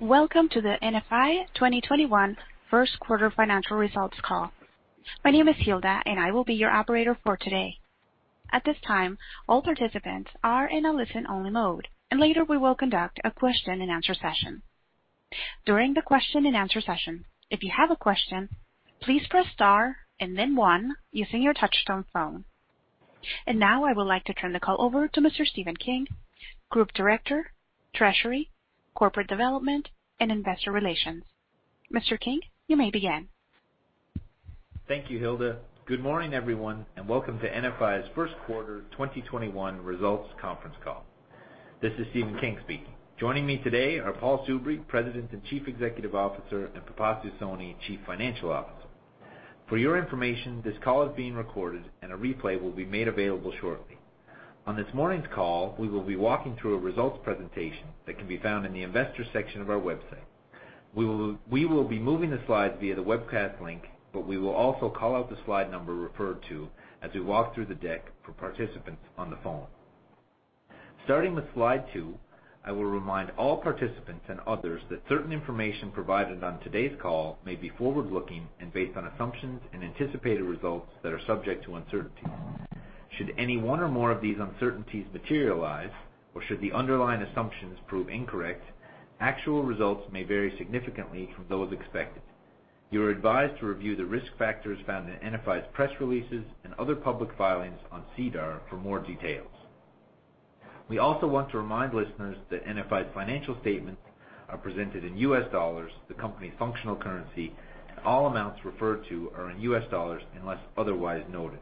Welcome to the NFI 2021 First Quarter Financial Results Call. My name is Hilda and I will be your operator for today. Now I would like to turn the call over to Mr. Stephen King, Group Director, Treasury, Corporate Development, and Investor Relations. Mr. King, you may begin. Thank you, Hilda. Good morning, everyone, and welcome to NFI's First Quarter 2021 Results Conference Call. This is Stephen King speaking. Joining me today are Paul Soubry, President and Chief Executive Officer, and Pipasu Soni, Chief Financial Officer. For your information, this call is being recorded and a replay will be made available shortly. On this morning's call, we will be walking through a results presentation that can be found in the investors section of our website. We will be moving the slides via the webcast link, but we will also call out the slide number referred to as we walk through the deck for participants on the phone. Starting with slide two, I will remind all participants and others that certain information provided on today's call may be forward-looking and based on assumptions and anticipated results that are subject to uncertainty. Should any one or more of these uncertainties materialize or should the underlying assumptions prove incorrect, actual results may vary significantly from those expected. You are advised to review the risk factors found in NFI's press releases and other public filings on SEDAR for more details. We also want to remind listeners that NFI's financial statements are presented in US dollars, the company functional currency, and all amounts referred to are in US dollars unless otherwise noted.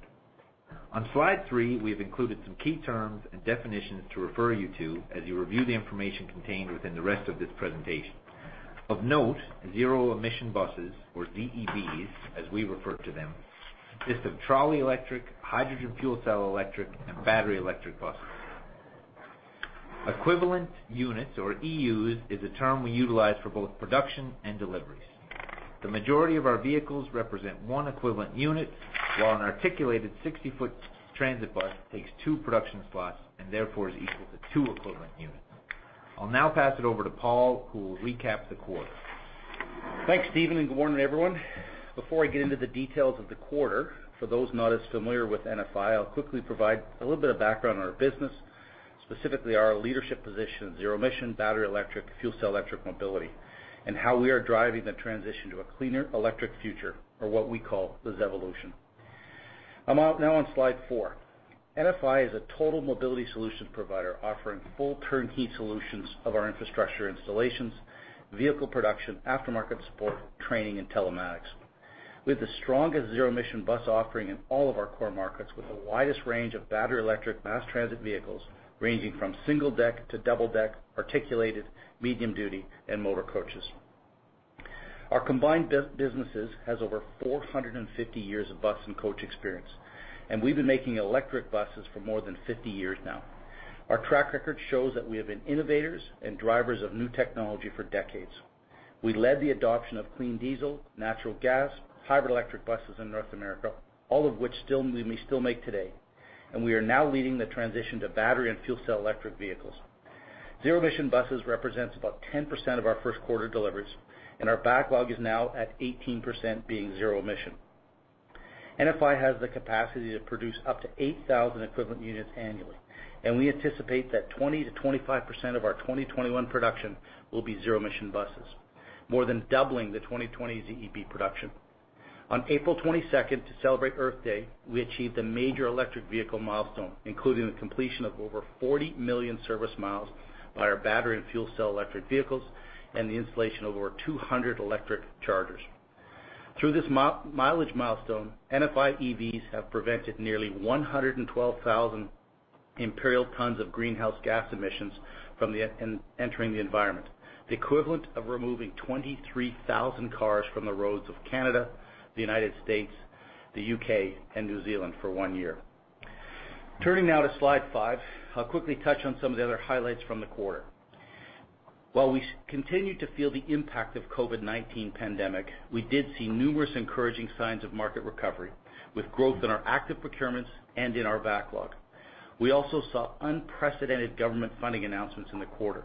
On slide three, we have included some key terms and definitions to refer you to as you review the information contained within the rest of this presentation. Of note, zero-emission buses or ZEBs, as we refer to them, consist of trolley electric, hydrogen fuel cell electric, and battery electric buses. Equivalent Units or EUs is a term we utilize for both production and deliveries. The majority of our vehicles represent one Equivalent Unit, while an articulated 60-foot transit bus takes two production slots and therefore is equal to two equivalent units. I'll now pass it over to Paul, who will recap the quarter. Thanks, Stephen, good morning, everyone. Before I get into the details of the quarter, for those not as familiar with NFI, I'll quickly provide a little bit of background on our business, specifically our leadership position in zero-emission battery electric, fuel cell electric mobility, and how we are driving the transition to a cleaner electric future or what we call the ZEvolution. I'm now on slide four. NFI is a total mobility solutions provider offering full turnkey solutions of our infrastructure installations, vehicle production, aftermarket support, training, and telematics. We have the strongest zero-emission bus offering in all of our core markets with the widest range of battery electric mass transit vehicles ranging from single deck to double deck, articulated, medium duty and motor coaches. Our combined businesses has over 450 years of bus and coach experience, and we've been making electric buses for more than 50 years now. Our track record shows that we have been innovators and drivers of new technology for decades. We led the adoption of clean diesel, natural gas, hybrid electric buses in North America, all of which we still make today and we are now leading the transition to battery and fuel cell electric vehicles. Zero-emission buses represents about 10% of our first quarter deliveries and our backlog is now at 18% being zero-emission. NFI has the capacity to produce up to 8,000 Equivalent Units annually, and we anticipate that 20%-25% of our 2021 production will be zero-emission buses, more than doubling the 2020 ZEB production. On April 22nd, to celebrate Earth Day, we achieved a major electric vehicle milestone, including the completion of over 40 million service miles by our battery and fuel cell electric vehicles and the installation of over 200 electric chargers. Through this mileage milestone, NFI EVs have prevented nearly 112,000 imperial tons of greenhouse gas emissions from entering the environment, the equivalent of removing 23,000 cars from the roads of Canada, the United States, the U.K. and New Zealand for one year. Turning now to slide five, I'll quickly touch on some of the other highlights from the quarter. While we continue to feel the impact of COVID-19 pandemic, we did see numerous encouraging signs of market recovery with growth in our active procurements and in our backlog. We also saw unprecedented government funding announcements in the quarter.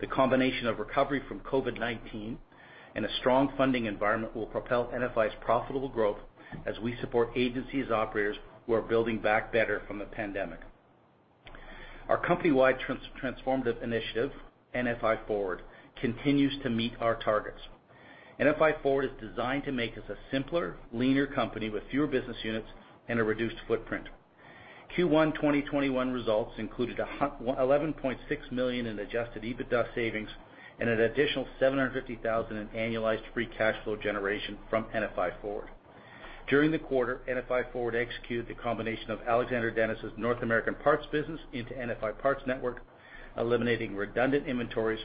The combination of recovery from COVID-19 and a strong funding environment will propel NFI's profitable growth as we support agencies operators who are building back better from the pandemic. Our company-wide transformative initiative, NFI Forward, continues to meet our targets. NFI Forward is designed to make us a simpler, leaner company with fewer business units and a reduced footprint. Q1 2021 results included 11.6 million in adjusted EBITDA savings and an additional 750,000 in annualized free cash flow generation from NFI Forward. During the quarter, NFI Forward executed the combination of Alexander Dennis' North American parts business into NFI Parts Network, eliminating redundant inventories,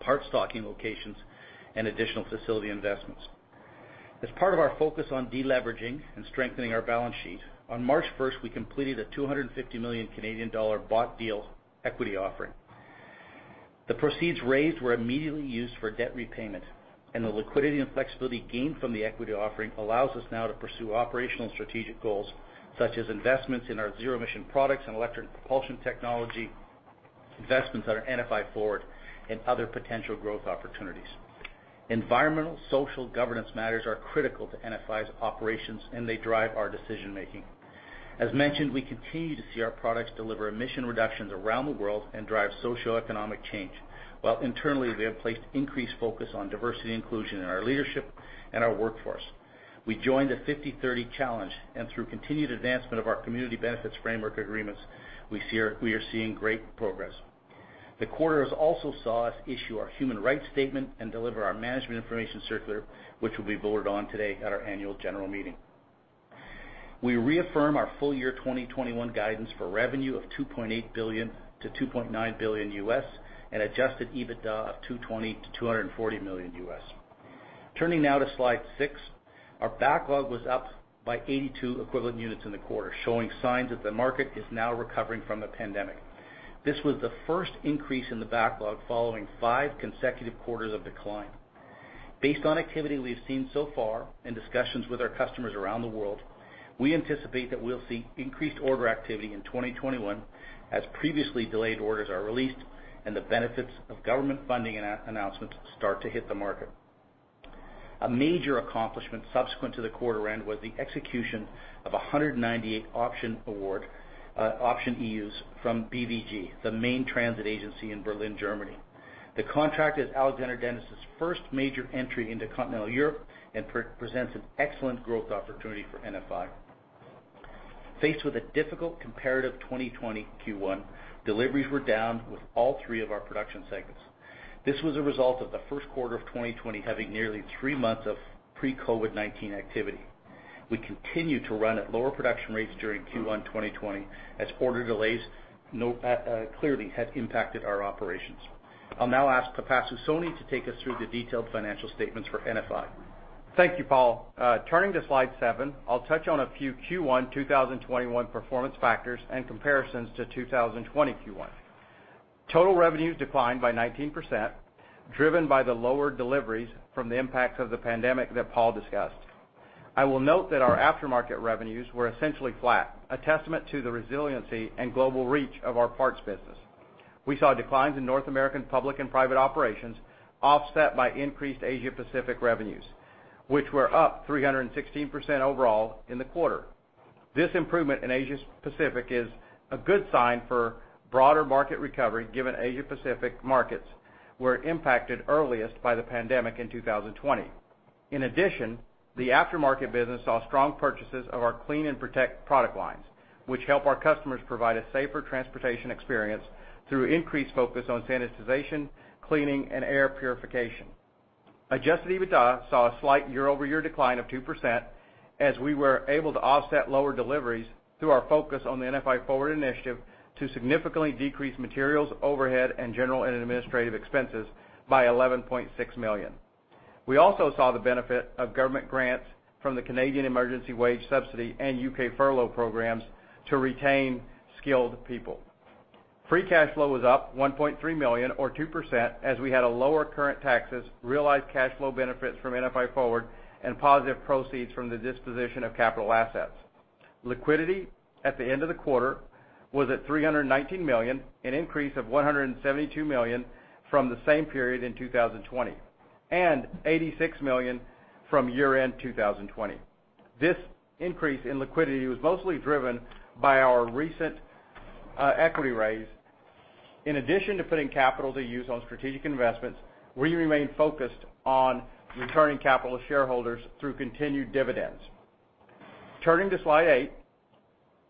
parts stocking locations, and additional facility investments. As part of our focus on de-leveraging and strengthening our balance sheet, on March 1st, we completed a 250 million Canadian dollar bought deal equity offering. The proceeds raised were immediately used for debt repayment, the liquidity and flexibility gained from the equity offering allows us now to pursue operational and strategic goals, such as investments in our zero-emission products and electric propulsion technology, investments that are NFI Forward, and other potential growth opportunities. Environmental, social, governance matters are critical to NFI's operations, they drive our decision-making. As mentioned, we continue to see our products deliver emission reductions around the world and drive socioeconomic change, while internally, we have placed increased focus on diversity and inclusion in our leadership and our workforce. We joined the 50-30 Challenge, through continued advancement of our community benefits framework agreements, we are seeing great progress. The quarter has also saw us issue our human rights statement and deliver our management information circular, which will be voted on today at our annual general meeting. We reaffirm our full year 2021 guidance for revenue of $2.8 billion-$2.9 billion and adjusted EBITDA of $220 million-$240 million. Turning now to slide six, our backlog was up by 82 equivalent units in the quarter, showing signs that the market is now recovering from the pandemic. This was the first increase in the backlog following five consecutive quarters of decline. Based on activity we've seen so far, and discussions with our customers around the world, we anticipate that we'll see increased order activity in 2021, as previously delayed orders are released, and the benefits of government funding announcements start to hit the market. A major accomplishment subsequent to the quarter end was the execution of 198 option awards, option EUs from BVG, the main transit agency in Berlin, Germany. The contract is Alexander Dennis' first major entry into continental Europe and presents an excellent growth opportunity for NFI. Faced with a difficult comparative 2020 Q1, deliveries were down with all three of our production segments. This was a result of the first quarter of 2020 having nearly three months of pre-COVID-19 activity. We continue to run at lower production rates during Q1 2020, as order delays clearly have impacted our operations. I'll now ask Pipasu Soni to take us through the detailed financial statements for NFI. Thank you, Paul. Turning to slide seven, I'll touch on a few Q1 2021 performance factors and comparisons to 2020 Q1. Total revenues declined by 19%, driven by the lower deliveries from the impacts of the pandemic that Paul discussed. I will note that our aftermarket revenues were essentially flat, a testament to the resiliency and global reach of our parts business. We saw declines in North American public and private operations offset by increased Asia Pacific revenues, which were up 316% overall in the quarter. This improvement in Asia Pacific is a good sign for broader market recovery, given Asia Pacific markets were impacted earliest by the pandemic in 2020. In addition, the aftermarket business saw strong purchases of our Clean & Protect product lines, which help our customers provide a safer transportation experience through increased focus on sanitization, cleaning, and air purification. Adjusted EBITDA saw a slight year-over-year decline of 2% as we were able to offset lower deliveries through our focus on the NFI Forward initiative to significantly decrease materials, overhead, and general and administrative expenses by $11.6 million. We also saw the benefit of government grants from the Canada Emergency Wage Subsidy and U.K. Furlough programs to retain skilled people. Free cash flow was up $1.3 million, or 2%, as we had lower current taxes, realized cash flow benefits from NFI Forward, and positive proceeds from the disposition of capital assets. Liquidity at the end of the quarter was at $319 million, an increase of $172 million from the same period in 2020, and $86 million from year-end 2020. This increase in liquidity was mostly driven by our recent equity raise. In addition to putting capital to use on strategic investments, we remain focused on returning capital to shareholders through continued dividends. Turning to slide eight,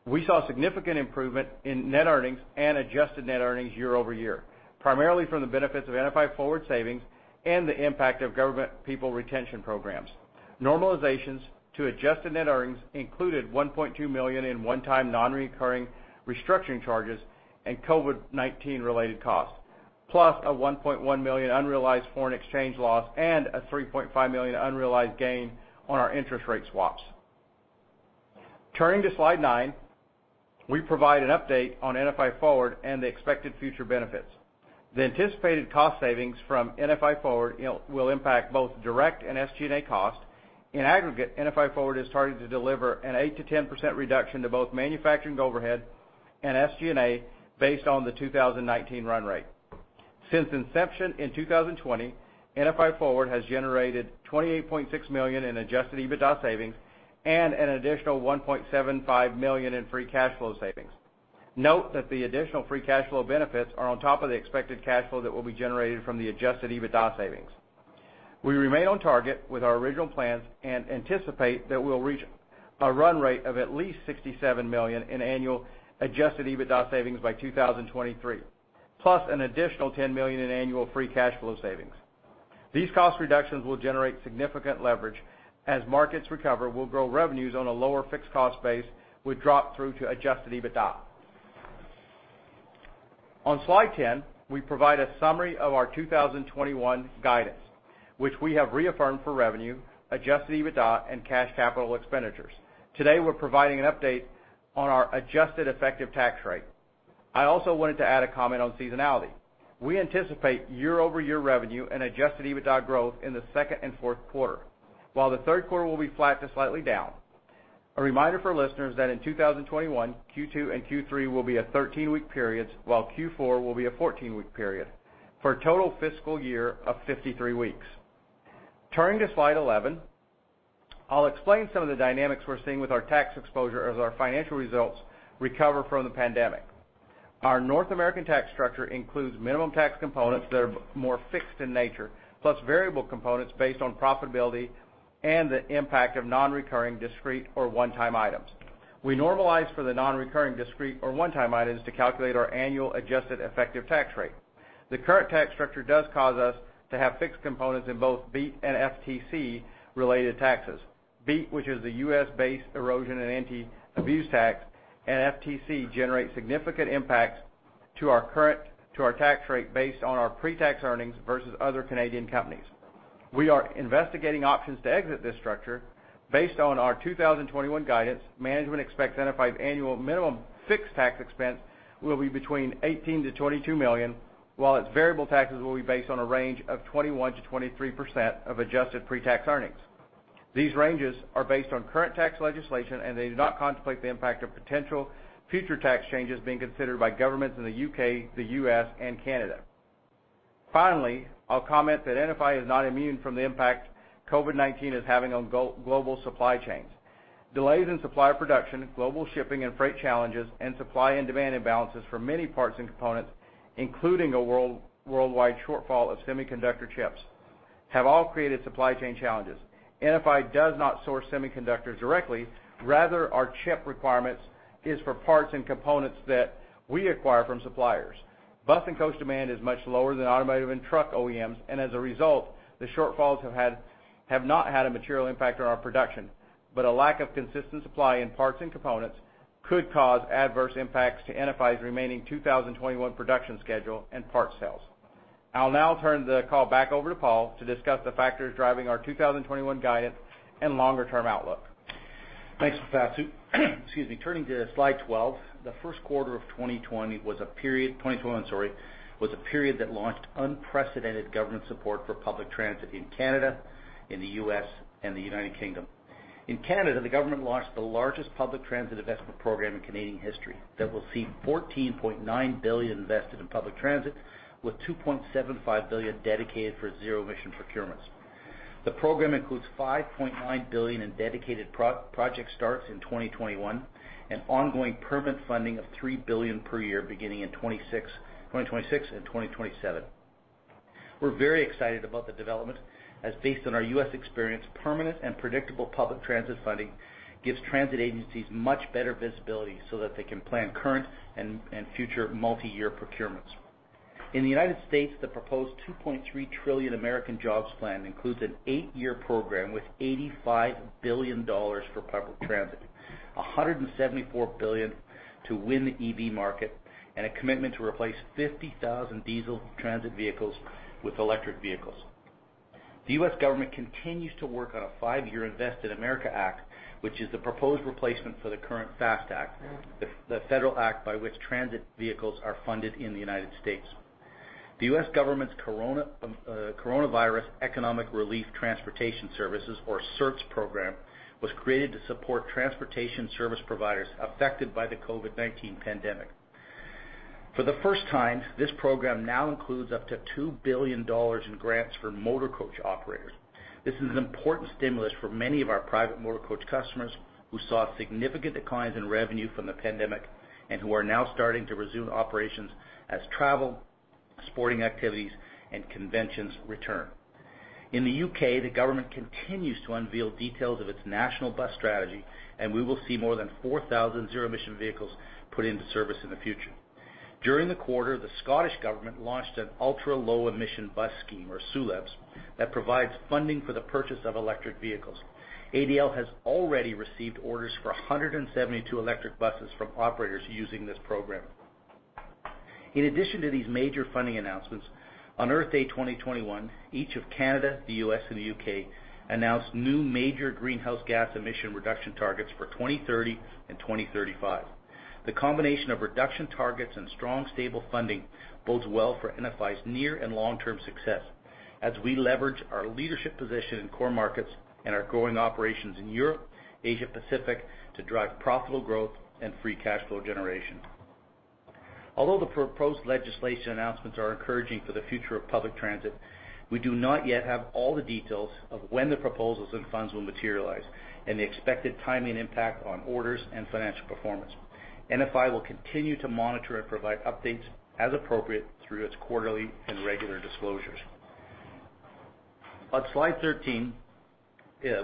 we saw significant improvement in net earnings and adjusted net earnings year-over-year, primarily from the benefits of NFI Forward savings and the impact of government people retention programs. Normalizations to adjusted net earnings included $1.2 million in one-time non-recurring restructuring charges and COVID-19-related costs, plus a $1.1 million unrealized foreign exchange loss and a $3.5 million unrealized gain on our interest rate swaps. Turning to slide nine, we provide an update on NFI Forward and the expected future benefits. The anticipated cost savings from NFI Forward will impact both direct and SG&A costs. In aggregate, NFI Forward is targeted to deliver an 8%-10% reduction to both manufacturing overhead and SG&A based on the 2019 run rate. Since inception in 2020, NFI Forward has generated $28.6 million in adjusted EBITDA savings and an additional $1.75 million in free cash flow savings. Note that the additional free cash flow benefits are on top of the expected cash flow that will be generated from the adjusted EBITDA savings. We remain on target with our original plans and anticipate that we'll reach a run rate of at least $67 million in annual adjusted EBITDA savings by 2023, plus an additional $10 million in annual free cash flow savings. These cost reductions will generate significant leverage. As markets recover, we'll grow revenues on a lower fixed cost base, with drop-through to adjusted EBITDA. On slide 10, we provide a summary of our 2021 guidance. Which we have reaffirmed for revenue, adjusted EBITDA, and cash capital expenditures. Today, we're providing an update on our adjusted effective tax rate. I also wanted to add a comment on seasonality. We anticipate year-over-year revenue and adjusted EBITDA growth in the second and fourth quarter, while the third quarter will be flat to slightly down. A reminder for listeners that in 2021, Q2 and Q3 will be a 13-week period, while Q4 will be a 14-week period, for a total fiscal year of 53 weeks. Turning to slide 11, I will explain some of the dynamics we are seeing with our tax exposure as our financial results recover from the pandemic. Our North American tax structure includes minimum tax components that are more fixed in nature, plus variable components based on profitability and the impact of non-recurring, discrete or one-time items. We normalize for the non-recurring, discrete or one-time items to calculate our annual adjusted effective tax rate. The current tax structure does cause us to have fixed components in both BEAT and FTC related taxes. BEAT, which is the U.S. based erosion and anti-abuse tax, and FTC generate significant impacts to our tax rate based on our pre-tax earnings versus other Canadian companies. We are investigating options to exit this structure based on our 2021 guidance. Management expects NFI's annual minimum fixed tax expense will be between 18 million-22 million, while its variable taxes will be based on a range of 21%-23% of adjusted pre-tax earnings. These ranges are based on current tax legislation, they do not contemplate the impact of potential future tax changes being considered by governments in the U.K., the U.S., and Canada. I'll comment that NFI is not immune from the impact COVID-19 is having on global supply chains. Delays in supply production, global shipping and freight challenges, and supply and demand imbalances for many parts and components, including a worldwide shortfall of semiconductor chips, have all created supply chain challenges. NFI does not source semiconductors directly, rather, our chip requirements is for parts and components that we acquire from suppliers. Bus and coach demand is much lower than automotive and truck OEMs, and as a result, the shortfalls have not had a material impact on our production. A lack of consistent supply in parts and components could cause adverse impacts to NFI's remaining 2021 production schedule and parts sales. I'll now turn the call back over to Paul to discuss the factors driving our 2021 guidance and longer-term outlook. Thanks, Pipasu. Excuse me. Turning to slide 12, the first quarter of 2021 was a period that launched unprecedented government support for public transit in Canada, in the U.S., and the U.K. In Canada, the government launched the largest public transit investment program in Canadian history that will see CAD 14.9 billion invested in public transit, with CAD 2.75 billion dedicated for zero emission procurements. The program includes 5.9 billion in dedicated project starts in 2021 and ongoing permanent funding of 3 billion per year beginning in 2026 and 2027. We're very excited about the development as based on our U.S. experience, permanent and predictable public transit funding gives transit agencies much better visibility so that they can plan current and future multi-year procurements. In the U.S., the proposed $2.3 trillion American Jobs Plan includes an eight-year program with $85 billion for public transit, $174 billion to win the EV market, and a commitment to replace 50,000 diesel transit vehicles with electric vehicles. The U.S. government continues to work on a five-year INVEST in America Act, which is the proposed replacement for the current FAST Act, the federal act by which transit vehicles are funded in the U.S. The U.S. government's Coronavirus Economic Relief for Transportation Services, or CERTS program, was created to support transportation service providers affected by the COVID-19 pandemic. For the first time, this program now includes up to $2 billion in grants for motor coach operators. This is an important stimulus for many of our private motor coach customers who saw significant declines in revenue from the pandemic and who are now starting to resume operations as travel, sporting activities, and conventions return. In the U.K., the government continues to unveil details of its National Bus Strategy, and we will see more than 4,000 zero emission vehicles put into service in the future. During the quarter, the Scottish government launched an Ultra-Low Emission Bus Scheme, or ULEBs, that provides funding for the purchase of electric vehicles. ADL has already received orders for 172 electric buses from operators using this program. In addition to these major funding announcements, on Earth Day 2021, each of Canada, the U.S., and the U.K. announced new major greenhouse gas emission reduction targets for 2030 and 2035. The combination of reduction targets and strong, stable funding bodes well for NFI's near and long-term success as we leverage our leadership position in core markets and our growing operations in Europe, Asia Pacific to drive profitable growth and free cash flow generation. Although the proposed legislation announcements are encouraging for the future of public transit, we do not yet have all the details of when the proposals and funds will materialize and the expected timing impact on orders and financial performance. NFI will continue to monitor and provide updates as appropriate through its quarterly and regular disclosures. On slide 13,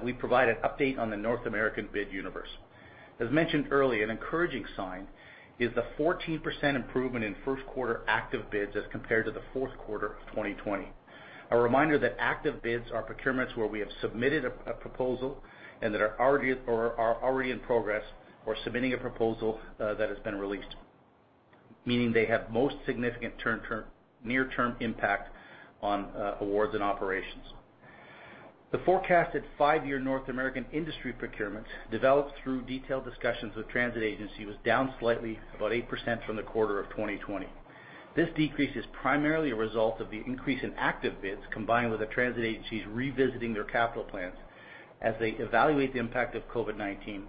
we provide an update on the North American bid universe. As mentioned earlier, an encouraging sign is the 14% improvement in first quarter active bids as compared to the fourth quarter of 2020. A reminder that active bids are procurements where we have submitted a proposal and that are already in progress or submitting a proposal that has been released, meaning they have the most significant near-term impact on awards and operations. The forecasted five-year North American industry procurements, developed through detailed discussions with the transit agency, was down slightly, about 8% from the quarter of 2020. This decrease is primarily a result of the increase in active bids, combined with the transit agencies revisiting their capital plans as they evaluate the impact of COVID-19,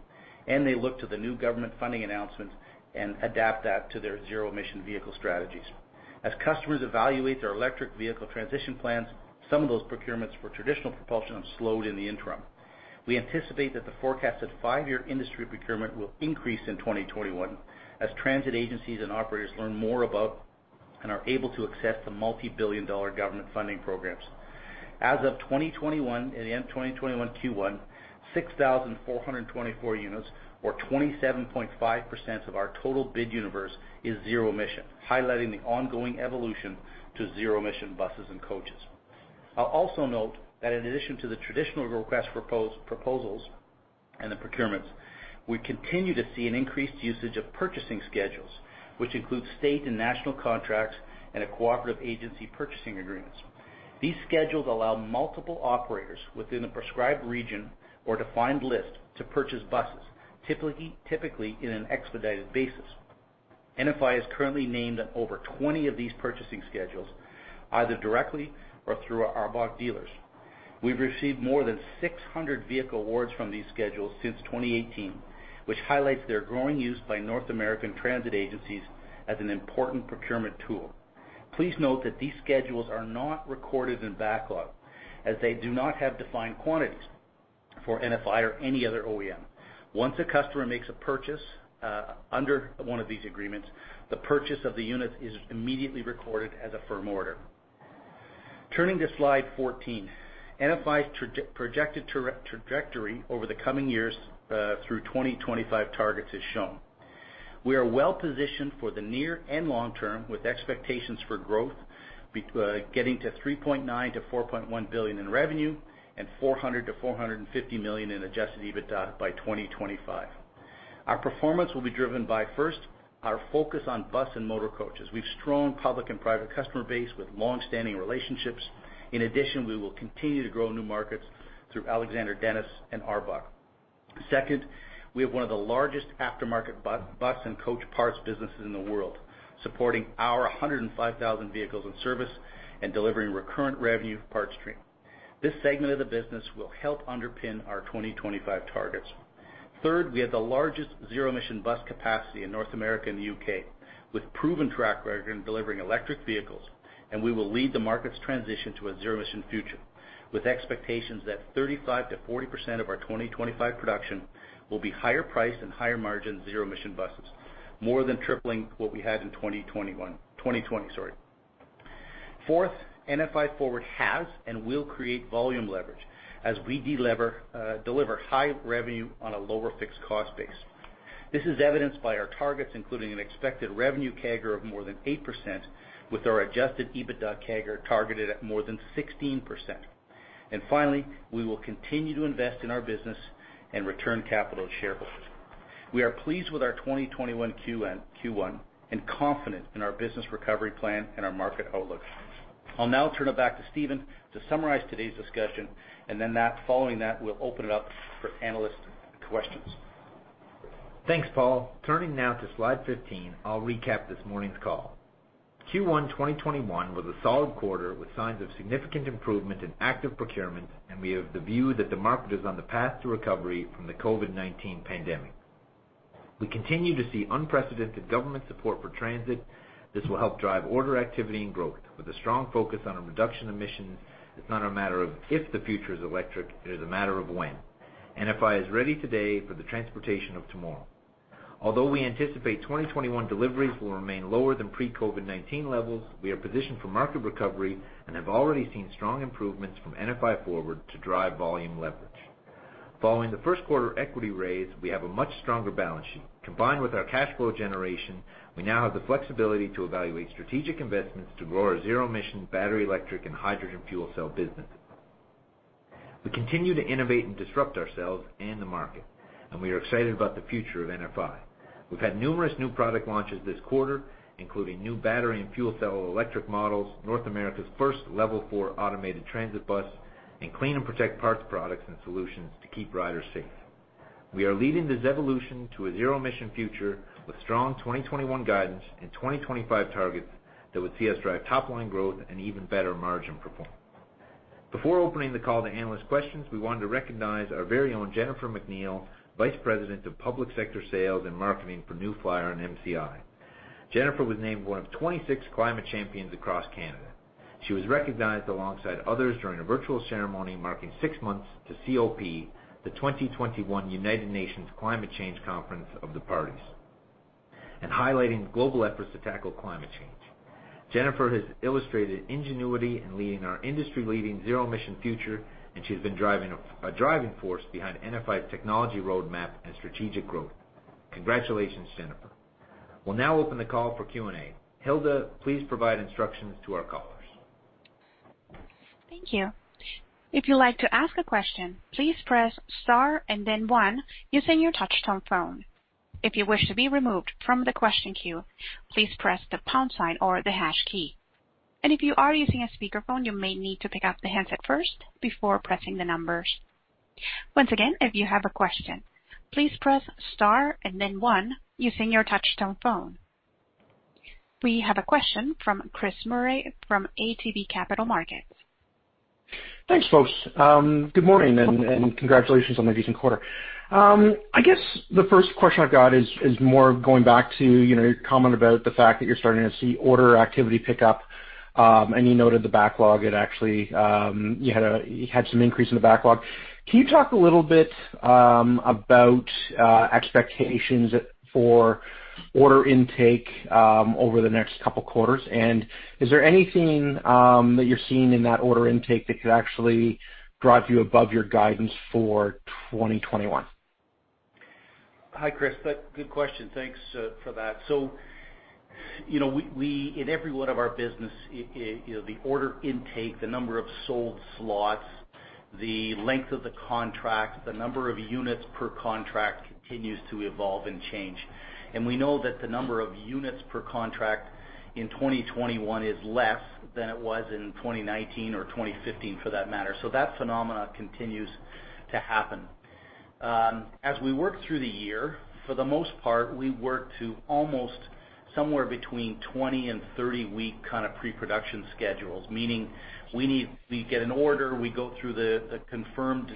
and they look to the new government funding announcements and adapt that to their zero-emission vehicle strategies. As customers evaluate their electric vehicle transition plans, some of those procurements for traditional propulsion have slowed in the interim. We anticipate that the forecasted five-year industry procurement will increase in 2021 as transit agencies and operators learn more about and are able to access the multibillion-dollar government funding programs. As of 2021, in the end of 2021 Q1, 6,424 units or 27.5% of our total bid universe is zero emission, highlighting the ongoing evolution to zero-emission buses and coaches. I'll also note that in addition to the traditional request for proposals and the procurements, we continue to see an increased usage of purchasing schedules, which include state and national contracts and cooperative agency purchasing agreements. These schedules allow multiple operators within a prescribed region or defined list to purchase buses, typically in an expedited basis. NFI is currently named on over 20 of these purchasing schedules, either directly or through our ARBOC dealers. We've received more than 600 vehicle awards from these schedules since 2018, which highlights their growing use by North American transit agencies as an important procurement tool. Please note that these schedules are not recorded in backlog as they do not have defined quantities for NFI or any other OEM. Once a customer makes a purchase under one of these agreements, the purchase of the unit is immediately recorded as a firm order. Turning to slide 14, NFI's projected trajectory over the coming years through 2025 targets is shown. We are well-positioned for the near and long term, with expectations for growth getting to 3.9 billion-4.1 billion in revenue and 400 million-450 million in adjusted EBITDA by 2025. Our performance will be driven by, first, our focus on bus and motor coaches. We have a strong public and private customer base with long-standing relationships. In addition, we will continue to grow new markets through Alexander Dennis and ARBOC. Second, we have one of the largest aftermarket bus and coach parts businesses in the world, supporting our 105,000 vehicles in service and delivering recurrent revenue parts stream. This segment of the business will help underpin our 2025 targets. Third, we have the largest zero-emission bus capacity in North America and the U.K., with a proven track record in delivering electric vehicles, and we will lead the market's transition to a zero-emission future. With expectations that 35%-40% of our 2025 production will be higher priced and higher margin zero-emission buses, more than tripling what we had in 2020. Fourth, NFI Forward has and will create volume leverage as we deliver high revenue on a lower fixed cost base. This is evidenced by our targets, including an expected revenue CAGR of more than 8%, with our adjusted EBITDA CAGR targeted at more than 16%. Finally, we will continue to invest in our business and return capital to shareholders. We are pleased with our 2021 Q1 and confident in our business recovery plan and our market outlook. I'll now turn it back to Stephen to summarize today's discussion, following that, we'll open it up for analyst questions. Thanks, Paul. Turning now to slide 15, I'll recap this morning's call. Q1 2021 was a solid quarter with signs of significant improvement in active procurements, and we have the view that the market is on the path to recovery from the COVID-19 pandemic. We continue to see unprecedented government support for transit. This will help drive order activity and growth with a strong focus on a reduction in emissions. It's not a matter of if the future is electric, it is a matter of when. NFI is ready today for the transportation of tomorrow. Although we anticipate 2021 deliveries will remain lower than pre-COVID-19 levels, we are positioned for market recovery and have already seen strong improvements from NFI Forward to drive volume leverage. Following the first quarter equity raise, we have a much stronger balance sheet. Combined with our cash flow generation, we now have the flexibility to evaluate strategic investments to grow our zero-emission battery, electric, and hydrogen fuel cell business. We continue to innovate and disrupt ourselves and the market, and we are excited about the future of NFI. We've had numerous new product launches this quarter, including new battery and fuel cell electric models, North America's first Level 4 automated transit bus, and Clean & Protect parts products and solutions to keep riders safe. We are leading this evolution to a zero-emission future with strong 2021 guidance and 2025 targets that would see us drive top-line growth and even better margin performance. Before opening the call to analyst questions, we wanted to recognize our very own Jennifer McNeill, Vice President of Public Sector Sales and Marketing for New Flyer and MCI. Jennifer was named one of 26 climate champions across Canada. She was recognized alongside others during a virtual ceremony marking six months to COP, the 2021 United Nations Climate Change Conference of the Parties, and highlighting global efforts to tackle climate change. Jennifer has illustrated ingenuity in leading our industry-leading zero-emission future, and she has been a driving force behind NFI's technology roadmap and strategic growth. Congratulations, Jennifer. We'll now open the call for Q&A. Hilda, please provide instructions to our callers Thank you. If you'd like to ask a question, please press star and then one using your touch-tone phone. If you wish to be removed from the question queue, please press the pound sign or the hash key. If you are using a speakerphone, you may need to pick up the handset first before pressing the numbers. Once again, if you have a question, please press star and then one using your touch-tone phone. We have a question from Chris Murray from ATB Capital Markets. Thanks, folks. Good morning and congratulations on the recent quarter. I guess the first question I've got is more going back to your comment about the fact that you're starting to see order activity pick up, and you noted the backlog, you had some increase in the backlog. Can you talk a little bit about expectations for order intake over the next couple quarters? Is there anything that you're seeing in that order intake that could actually drive you above your guidance for 2021? Hi, Chris. Good question. Thanks for that. In every one of our business, the order intake, the number of sold slots, the length of the contract, the number of units per contract continues to evolve and change. We know that the number of units per contract in 2021 is less than it was in 2019 or 2015 for that matter. That phenomena continues to happen. As we work through the year, for the most part, we work to almost somewhere between 20 and 30 week kind of pre-production schedules, meaning we get an order, we go through the confirmed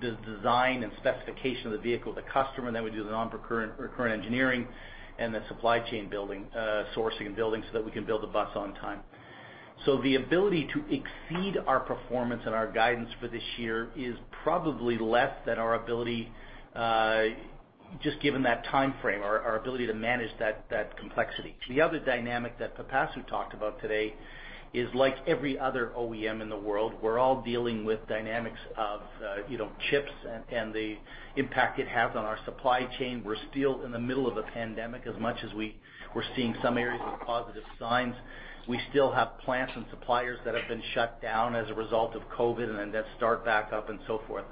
design and specification of the vehicle with the customer, and then we do the non-recurring engineering and the supply chain sourcing and building so that we can build a bus on time. The ability to exceed our performance and our guidance for this year is probably less than our ability just given that timeframe, our ability to manage that complexity. The other dynamic that Pipasu talked about today is like every other OEM in the world, we're all dealing with dynamics of chips and the impact it has on our supply chain. We're still in the middle of a pandemic as much as we're seeing some areas with positive signs. We still have plants and suppliers that have been shut down as a result of COVID, that start back up and so forth.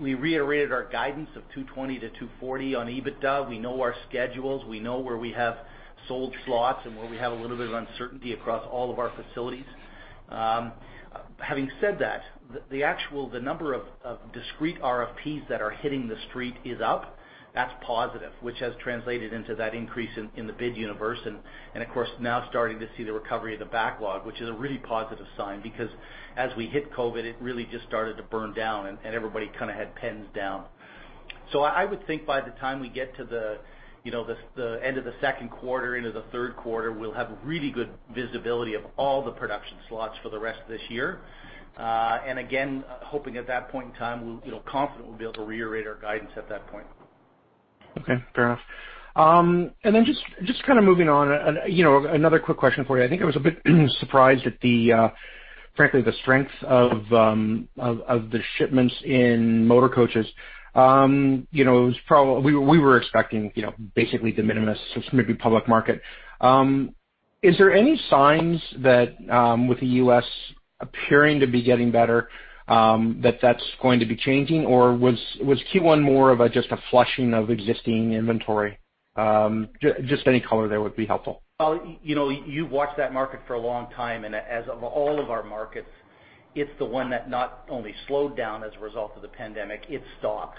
We reiterated our guidance of $220 million-$240 million on EBITDA. We know our schedules, we know where we have sold slots and where we have a little bit of uncertainty across all of our facilities. Having said that, the number of discrete RFPs that are hitting the street is up. That's positive, which has translated into that increase in the bid universe. Of course, now starting to see the recovery of the backlog, which is a really positive sign because as we hit COVID, it really just started to burn down and everybody kind of had pens down. I would think by the time we get to the end of the second quarter into the third quarter, we'll have really good visibility of all the production slots for the rest of this year. Again, hoping at that point in time, confident we'll be able to reiterate our guidance at that point. Okay. Fair enough. Just kind of moving on, another quick question for you. I think I was a bit surprised at the, frankly, the strength of the shipments in motor coaches. We were expecting basically de minimis, maybe public market. Is there any signs that with the U.S. appearing to be getting better, that that's going to be changing? Or was Q1 more of just a flushing of existing inventory? Just any color there would be helpful. Well, you've watched that market for a long time. As of all of our markets, it's the one that not only slowed down as a result of the pandemic, it stopped,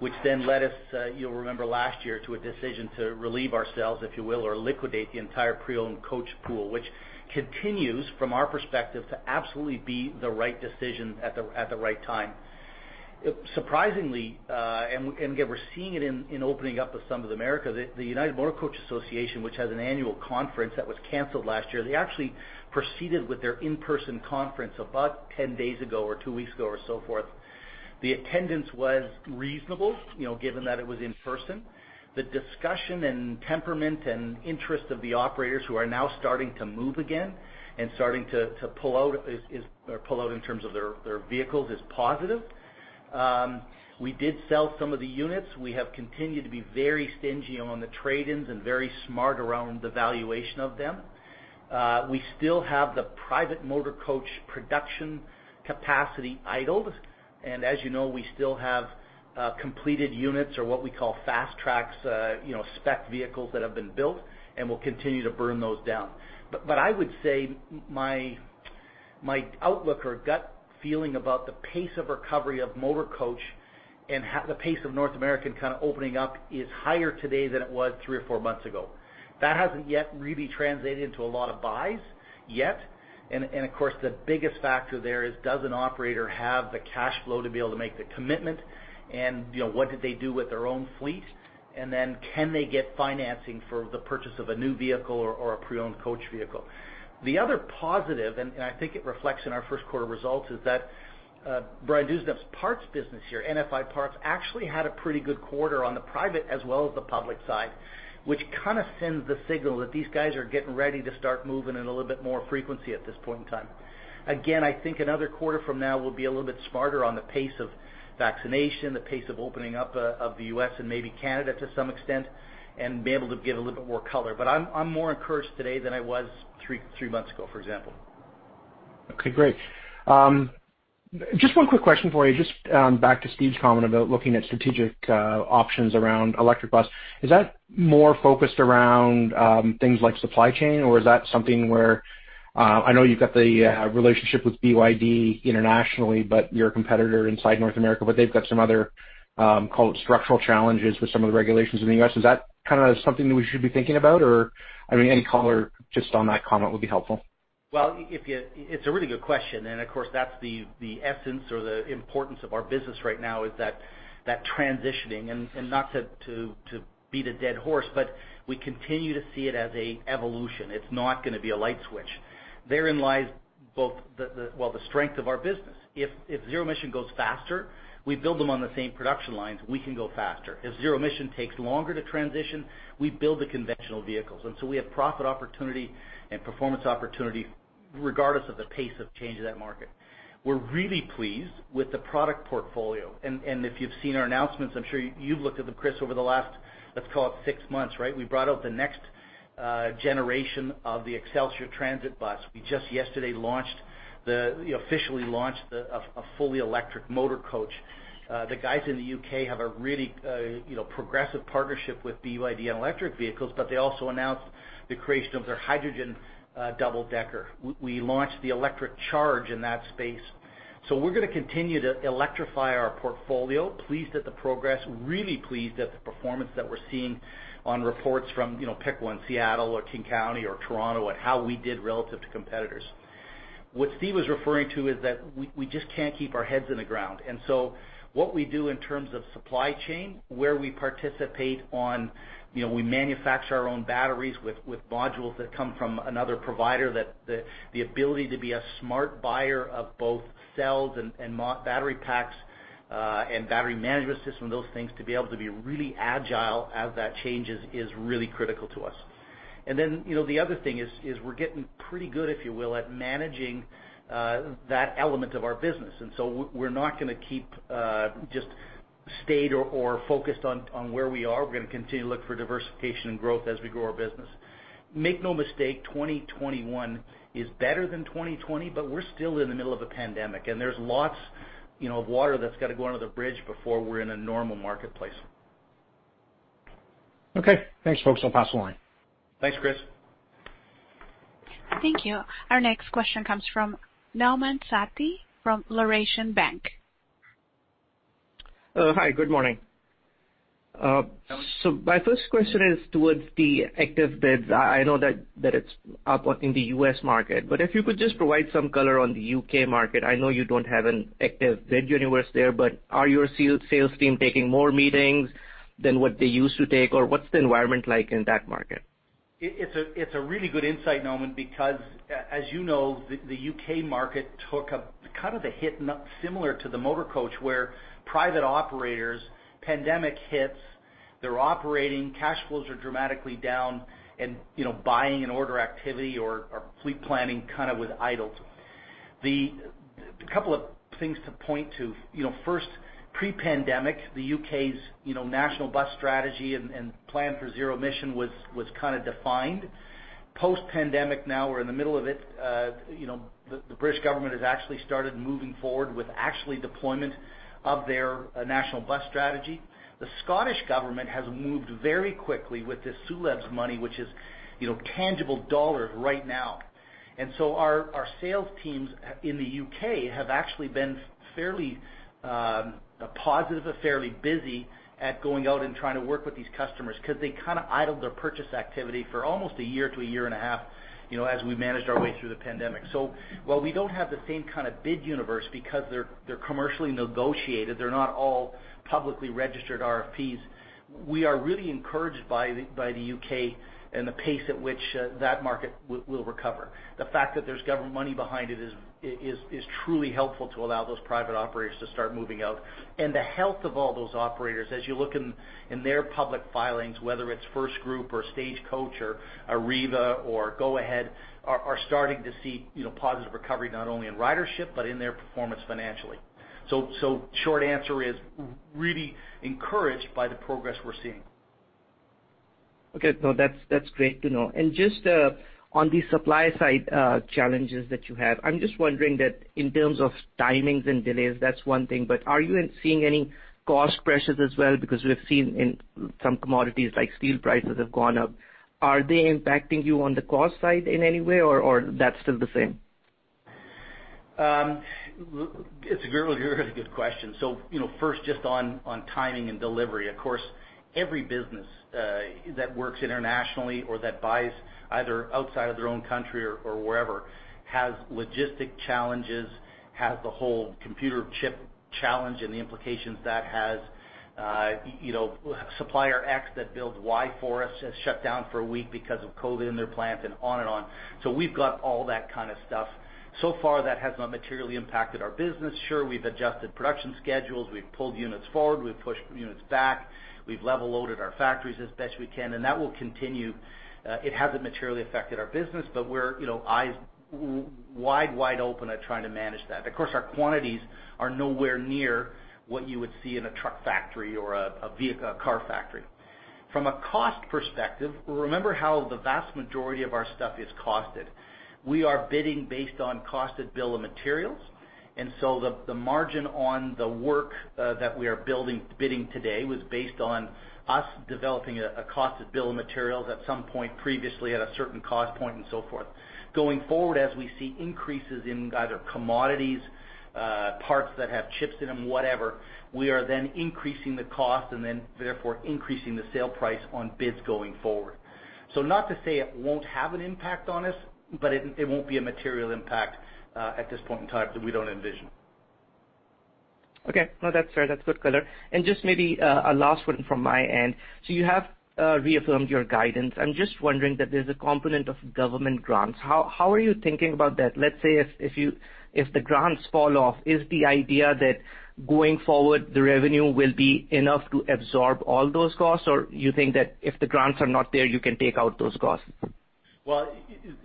which led us, you'll remember last year, to a decision to relieve ourselves, if you will, or liquidate the entire pre-owned coach pool, which continues from our perspective to absolutely be the right decision at the right time. Surprisingly, again, we're seeing it in opening up of some of America, the United Motorcoach Association, which has an annual conference that was canceled last year, they actually proceeded with their in-person conference about 10 days ago or two weeks ago or so forth. The attendance was reasonable, given that it was in person. The discussion and temperament and interest of the operators who are now starting to move again and starting to pull out in terms of their vehicles is positive. We did sell some of the units. We have continued to be very stingy on the trade-ins and very smart around the valuation of them. We still have the private motor coach production capacity idled, and as you know, we still have completed units or what we call fast tracks, spec vehicles that have been built, and we will continue to burn those down. But I would say my outlook or gut feeling about the pace of recovery of motor coach and the pace of North American kind of opening up is higher today than it was three or four months ago. That hasn't yet really translated into a lot of buys yet, and of course, the biggest factor there is does an operator have the cash flow to be able to make the commitment? What did they do with their own fleet? Can they get financing for the purchase of a new vehicle or a pre-owned coach vehicle? The other positive, and I think it reflects in our first quarter results, is that Brian Dewsnup's parts business here, NFI Parts, actually had a pretty good quarter on the private as well as the public side, which kind of sends the signal that these guys are getting ready to start moving in a little bit more frequency at this point in time. I think another quarter from now we'll be a little bit smarter on the pace of vaccination, the pace of opening up of the U.S. and maybe Canada to some extent, and be able to give a little bit more color. I'm more encouraged today than I was three months ago, for example. Okay, great. Just one quick question for you, just back to Stephen King's comment about looking at strategic options around electric bus. Is that more focused around things like supply chain, or is that something where I know you've got the relationship with BYD internationally, but your competitor inside North America, but they've got some other, call it, structural challenges with some of the regulations in the U.S.? Is that something that we should be thinking about, or any color just on that comment would be helpful? Well, it's a really good question, of course, that's the essence or the importance of our business right now is that transitioning, not to beat a dead horse, we continue to see it as an evolution. It's not going to be a light switch. Therein lies both, well, the strength of our business. If zero-emission goes faster, we build them on the same production lines, we can go faster. If zero-emission takes longer to transition, we build the conventional vehicles. We have profit opportunity and performance opportunity regardless of the pace of change of that market. We're really pleased with the product portfolio. If you've seen our announcements, I'm sure you've looked at them, Chris, over the last, let's call it six months, right? We brought out the next generation of the Xcelsior transit bus. We just yesterday officially launched a fully electric motor coach. The guys in the U.K. have a really progressive partnership with BYD on electric vehicles, but they also announced the creation of their hydrogen double-decker. We launched the electric charge in that space. We're going to continue to electrify our portfolio, pleased at the progress, really pleased at the performance that we're seeing on reports from pick one, Seattle or King County or Toronto at how we did relative to competitors. What Stephen was referring to is that we just can't keep our heads in the ground. What we do in terms of supply chain, where we participate on, we manufacture our own batteries with modules that come from another provider, that the ability to be a smart buyer of both cells and battery packs and battery management system, those things, to be able to be really agile as that changes is really critical to us. The other thing is we're getting pretty good, if you will, at managing that element of our business. We're not going to keep just stayed or focused on where we are. We're going to continue to look for diversification and growth as we grow our business. Make no mistake, 2021 is better than 2020, but we're still in the middle of a pandemic, and there's lots of water that's got to go under the bridge before we're in a normal marketplace. Okay, thanks, folks. I'll pass along. Thanks, Chris. Thank you. Our next question comes from Nauman Satti from Laurentian Bank. Hi, good morning. My first question is towards the active bids. I know that it's up in the U.S. market, but if you could just provide some color on the U.K. market. I know you don't have an active bid universe there, but are your sales team taking more meetings than what they used to take or what's the environment like in that market? It's a really good insight, Nauman, because as you know, the U.K. market took a kind of a hit similar to the motor coach where private operators, pandemic hits, they're operating, cash flows are dramatically down, and buying and order activity or fleet planning kind of was idled. A couple of things to point to. First, pre-pandemic, the U.K.'s National Bus Strategy and plan for zero emission was kind of defined. Post-pandemic, now we're in the middle of it, the British government has actually started moving forward with actually deployment of their National Bus Strategy. The Scottish government has moved very quickly with this ZLEBs money, which is tangible dollars right now. Our sales teams in the U.K. have actually been fairly positive and fairly busy at going out and trying to work with these customers because they kind of idled their purchase activity for almost a year to a year and a half as we managed our way through the pandemic. While we don't have the same kind of bid universe because they're commercially negotiated, they're not all publicly registered RFPs. We are really encouraged by the U.K. and the pace at which that market will recover. The fact that there's government money behind it is truly helpful to allow those private operators to start moving out. The health of all those operators, as you look in their public filings, whether it's FirstGroup or Stagecoach or Arriva or Go-Ahead, are starting to see positive recovery, not only in ridership but in their performance financially. Short answer is really encouraged by the progress we're seeing. Okay. No, that's great to know. Just on the supply side challenges that you have, I'm just wondering that in terms of timings and delays, that's one thing, but are you seeing any cost pressures as well? We've seen in some commodities like steel prices have gone up. Are they impacting you on the cost side in any way, or that's still the same? It's a really good question. First just on timing and delivery. Of course, every business that works internationally or that buys either outside of their own country or wherever has logistic challenges, has the whole computer chip challenge and the implications that has. Supplier X that builds Y for us has shut down for a week because of COVID in their plant and on and on. We've got all that kind of stuff. Far that has not materially impacted our business. Sure, we've adjusted production schedules, we've pulled units forward, we've pushed units back, we've level loaded our factories as best we can, and that will continue. It hasn't materially affected our business, but we're eyes wide open at trying to manage that. Of course, our quantities are nowhere near what you would see in a truck factory or a car factory. From a cost perspective, remember how the vast majority of our stuff is costed. We are bidding based on costed bill of materials. The margin on the work that we are bidding today was based on us developing a costed bill of materials at some point previously at a certain cost point and so forth. Going forward, as we see increases in either commodities, parts that have chips in them, whatever, we are then increasing the cost and then therefore increasing the sale price on bids going forward. Not to say it won't have an impact on us, but it won't be a material impact at this point in time, that we don't envision. Okay. No, that's fair. That's good color. Just maybe a last one from my end. You have reaffirmed your guidance. I'm just wondering that there's a component of government grants. How are you thinking about that? Let's say if the grants fall off, is the idea that going forward, the revenue will be enough to absorb all those costs, or you think that if the grants are not there, you can take out those costs?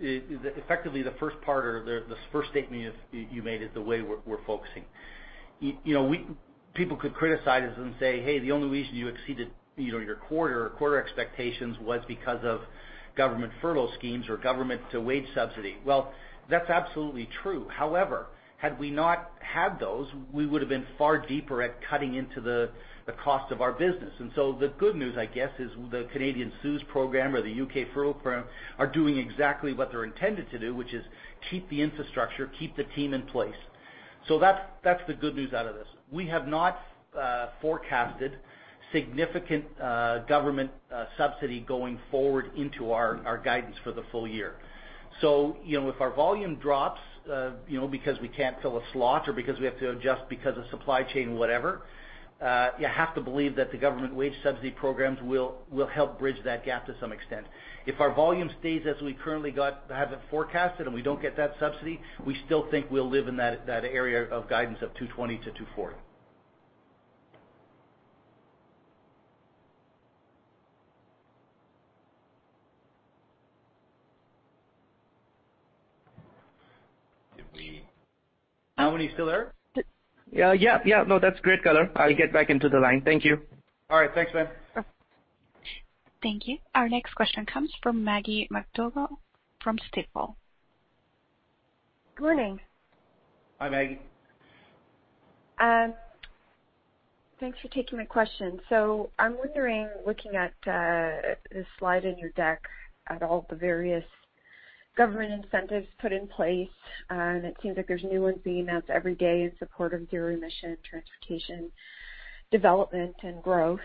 Effectively the first part or the first statement you made is the way we're focusing. People could criticize us and say, "Hey, the only reason you exceeded your quarter or quarter expectations was because of government furlough schemes or government to wage subsidy." That's absolutely true. However, had we not had those, we would have been far deeper at cutting into the cost of our business. The good news, I guess, is the Canadian CEWS program or the U.K. furlough program are doing exactly what they're intended to do, which is keep the infrastructure, keep the team in place. That's the good news out of this. We have not forecasted significant government subsidy going forward into our guidance for the full year. If our volume drops because we can't fill a slot or because we have to adjust because of supply chain, whatever, you have to believe that the government wage subsidy programs will help bridge that gap to some extent. If our volume stays as we currently have it forecasted and we don't get that subsidy, we still think we'll live in that area of guidance of $220 million-$240 million. Yeah. No, that's great color. I'll get back into the line. Thank you. All right. Thanks, man. Thank you. Our next question comes from Maggie MacDougall from Stifel. Good morning. Hi, Maggie. Thanks for taking my question. I'm wondering, looking at the slide in your deck at all the various government incentives put in place, and it seems like there's new ones being announced every day in support of zero-emission transportation development and growth,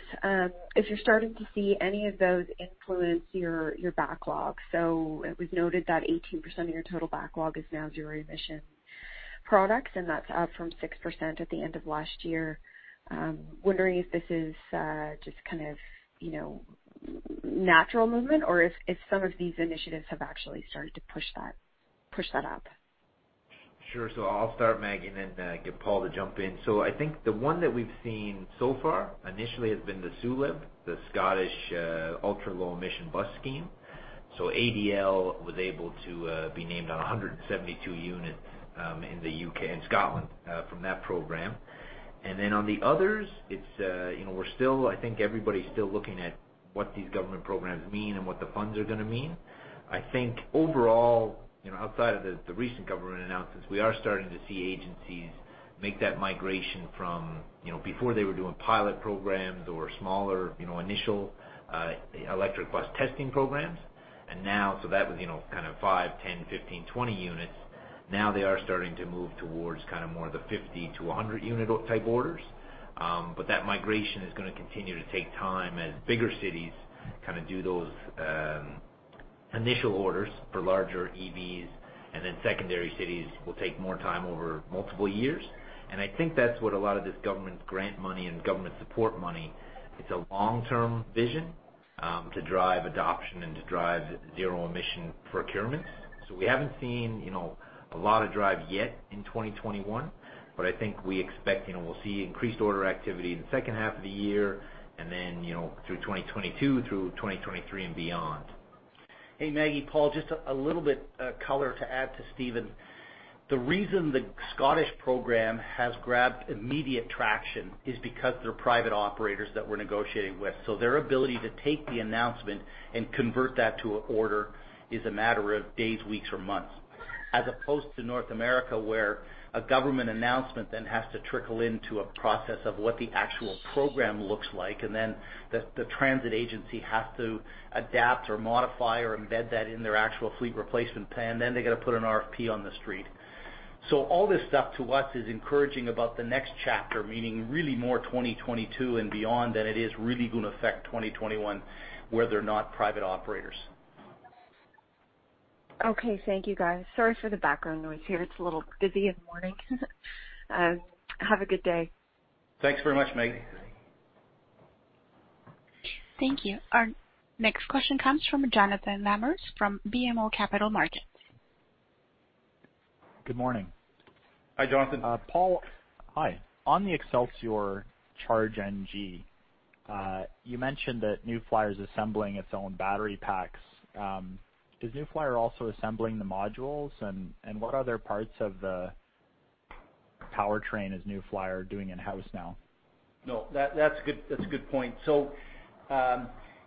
if you're starting to see any of those influence your backlog. It was noted that 18% of your total backlog is now zero-emission products, and that's up from 6% at the end of last year. I'm wondering if this is just kind of natural movement or if some of these initiatives have actually started to push that up? Sure. I'll start, Maggie, and then get Paul to jump in. I think the one that we've seen so far initially has been the SULEB, the Scottish Ultra-Low Emission Bus Scheme. ADL was able to be named on 172 units in the U.K. and Scotland from that program. On the others, I think everybody's still looking at what these government programs mean and what the funds are going to mean. I think overall, outside of the recent government announcements, we are starting to see agencies make that migration from before they were doing pilot programs or smaller initial electric bus testing programs, and now, that was kind of 5, 10, 15, 20 units. They are starting to move towards kind of more of the 50-100 unit type orders. That migration is going to continue to take time as bigger cities kind of do those initial orders for larger EVs and then secondary cities will take more time over multiple years. I think that's what a lot of this government grant money and government support money, it's a long-term vision to drive adoption and to drive zero-emission procurements. We haven't seen a lot of drive yet in 2021. I think we expect we'll see increased order activity in the second half of the year and then through 2022, through 2023 and beyond. Hey, Maggie, Paul, just a little bit of color to add to Stephen. The reason the Scottish program has grabbed immediate traction is because they're private operators that we're negotiating with. Their ability to take the announcement and convert that to an order is a matter of days, weeks or months, as opposed to North America, where a government announcement then has to trickle into a process of what the actual program looks like, and then the transit agency has to adapt or modify or embed that in their actual fleet replacement plan. They got to put an RFP on the street. All this stuff to us is encouraging about the next chapter, meaning really more 2022 and beyond than it is really going to affect 2021, where they're not private operators. Okay. Thank you guys. Sorry for the background noise here. It's a little busy in the morning. Have a good day. Thanks very much, Maggie. Thank you. Our next question comes from Jonathan Lamers from BMO Capital Markets. Good morning. Hi, Jonathan. Paul, hi. On the Xcelsior CHARGE NG, you mentioned that New Flyer is assembling its own battery packs. Is New Flyer also assembling the modules? What other parts of the powertrain is New Flyer doing in-house now? No, that's a good point.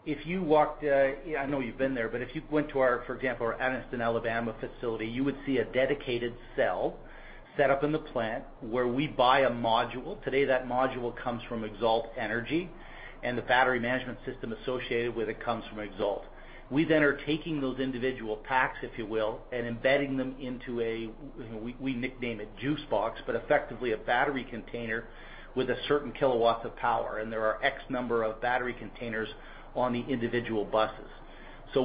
If you walked, I know you've been there, but if you went to our, for example, our Anniston, Alabama facility, you would see a dedicated cell set up in the plant where we buy a module. Today, that module comes from XALT Energy, and the battery management system associated with it comes from XALT. We are taking those individual packs, if you will, and embedding them into a, we nickname it juice box, but effectively a battery container with a certain kilowatt of power, and there are X number of battery containers on the individual buses.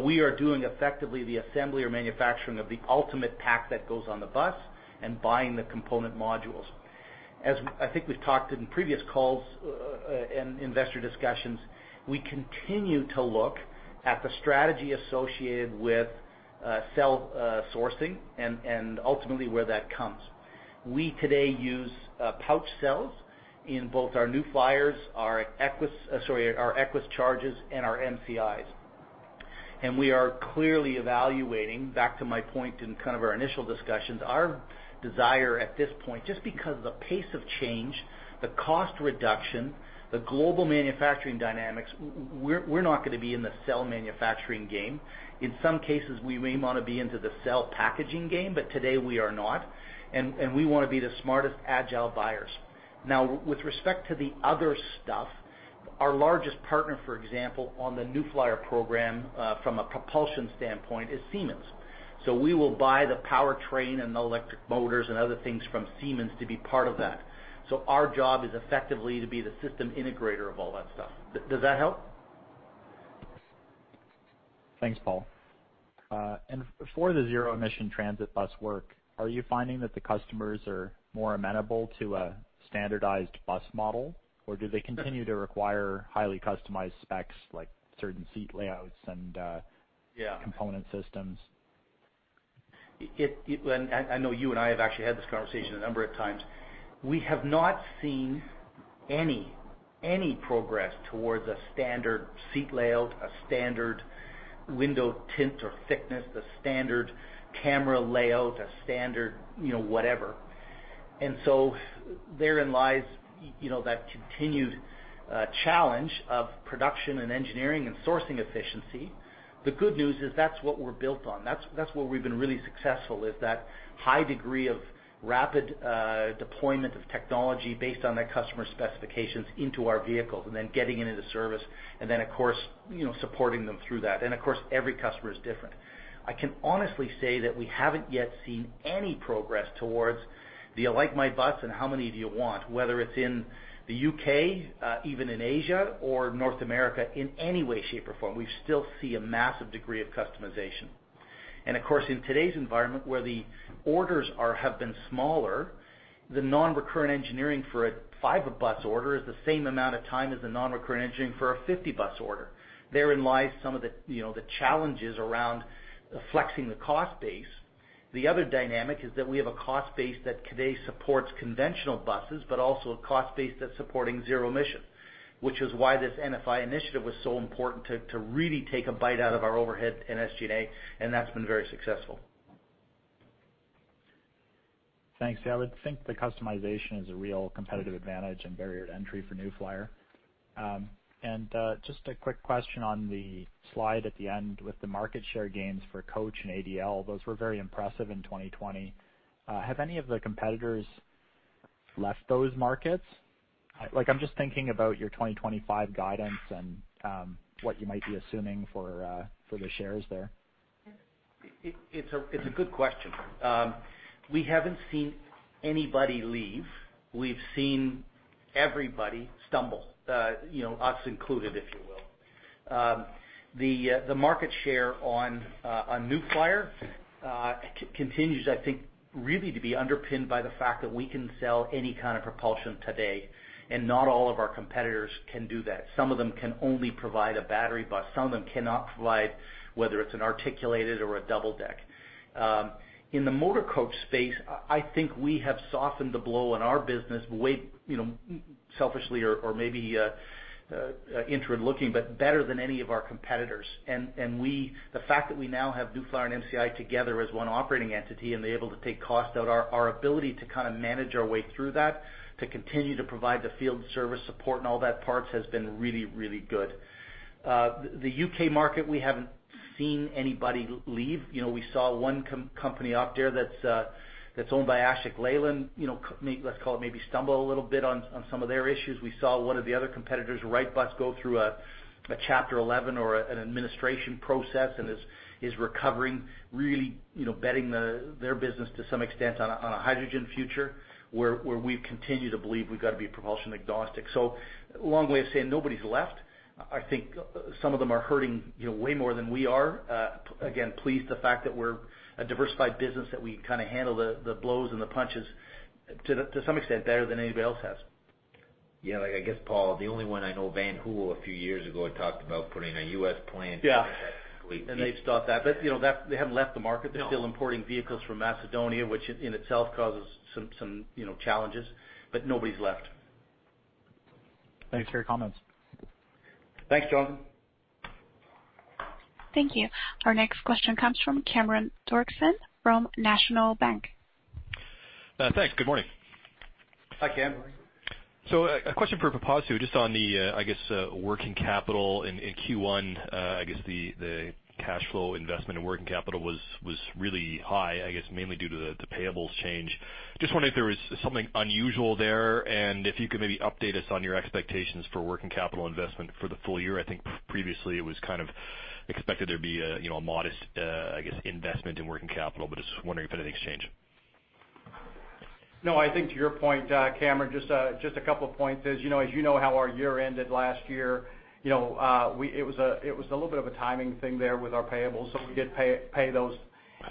We are doing effectively the assembly or manufacturing of the ultimate pack that goes on the bus and buying the component modules. As I think we've talked in previous calls, and investor discussions, we continue to look at the strategy associated with cell sourcing and ultimately where that comes. We today use pouch cells in both our New Flyers, our Xcelsior CHARGEs, and our MCIs. We are clearly evaluating, back to my point in kind of our initial discussions, our desire at this point, just because of the pace of change, the cost reduction, the global manufacturing dynamics, we're not going to be in the cell manufacturing game. In some cases, we may want to be into the cell packaging game, but today we are not. We want to be the smartest agile buyers. Now, with respect to the other stuff, our largest partner, for example, on the New Flyer program from a propulsion standpoint, is Siemens. We will buy the powertrain and the electric motors and other things from Siemens to be part of that. Our job is effectively to be the system integrator of all that stuff. Does that help? Thanks, Paul. For the zero-emission transit bus work, are you finding that the customers are more amenable to a standardized bus model? Or do they continue to require highly customized specs, like certain seat layouts and component systems? I know you and I have actually had this conversation a number of times. We have not seen any progress towards a standard seat layout, a standard window tint or thickness, a standard camera layout, a standard whatever. Therein lies that continued challenge of production and engineering and sourcing efficiency. The good news is that's what we're built on. That's where we've been really successful is that high degree of rapid deployment of technology based on their customer specifications into our vehicles, and then getting it into service and then, of course, supporting them through that. Of course, every customer is different. I can honestly say that we haven't yet seen any progress towards the, "I like my bus, and how many do you want?" Whether it's in the U.K., even in Asia or North America, in any way, shape, or form. We still see a massive degree of customization. Of course, in today's environment, where the orders have been smaller, the non-recurrent engineering for a five-bus order is the same amount of time as the non-recurrent engineering for a 50-bus order. Therein lies some of the challenges around flexing the cost base. The other dynamic is that we have a cost base that today supports conventional buses, but also a cost base that's supporting zero-emission, which is why this NFI Forward was so important to really take a bite out of our overhead and SG&A. That's been very successful. Thanks. Yeah, I would think the customization is a real competitive advantage and barrier to entry for New Flyer. Just a quick question on the slide at the end with the market share gains for Coach and ADL. Those were very impressive in 2020. Have any of the competitors left those markets? I'm just thinking about your 2025 guidance and what you might be assuming for the shares there. It's a good question. We haven't seen anybody leave. We've seen everybody stumble, us included, if you will. The market share on New Flyer continues, I think, really to be underpinned by the fact that we can sell any kind of propulsion today. Not all of our competitors can do that. Some of them can only provide a battery bus. Some of them cannot provide, whether it's an articulated or a double deck. In the motor coach space, I think we have softened the blow in our business way, selfishly or maybe inward-looking. Better than any of our competitors. The fact that we now have New Flyer and MCI together as one operating entity and able to take cost out, our ability to kind of manage our way through that, to continue to provide the field service support and all that parts has been really, really good. The U.K. market, we haven't seen anybody leave. We saw one company up there that's owned by Ashok Leyland, let's call it maybe stumble a little bit on some of their issues. We saw one of the other competitors, Wrightbus, go through a Chapter 11 or an administration process and is recovering, really betting their business to some extent on a hydrogen future, where we've continued to believe we've got to be propulsion agnostic. Long way of saying nobody's left. I think some of them are hurting way more than we are. Again, pleased the fact that we're a diversified business, that we kind of handle the blows and the punches to some extent better than anybody else has. Yeah, I guess, Paul, the only one I know, Van Hool, a few years ago, had talked about putting a U.S. plant that's complete. They've stopped that. They haven't left the market. No. They're still importing vehicles from Macedonia, which in itself causes some challenges, but nobody's left. Thanks for your comments. Thanks, Jonathan Thank you. Our next question comes from Cameron Doerksen from National Bank. Thanks. Good morning. Hi, Cameron. A question for Pipasu, just on the, I guess, working capital in Q1. The cash flow investment in working capital was really high, I guess mainly due to the payables change. Just wondering if there was something unusual there, and if you could maybe update us on your expectations for working capital investment for the full year. Previously it was kind of expected there'd be a modest, I guess, investment in working capital, but just wondering if anything's changed. No, I think to your point, Cameron, just a couple of points is, as you know how our year ended last year, it was a little bit of a timing thing there with our payables. We did pay those